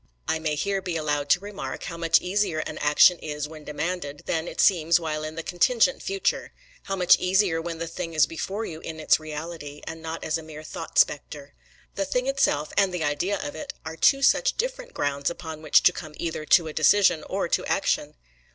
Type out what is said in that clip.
I may here be allowed to remark, how much easier an action is when demanded, than it seems while in the contingent future how much easier when the thing is before you in its reality, and not as a mere thought spectre. The thing itself, and the idea of it, are two such different grounds upon which to come either to a decision or to action!